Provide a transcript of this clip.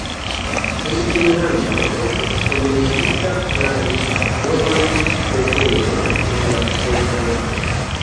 En Finnlando estis komencita plani novan loĝejon por la prezidanto.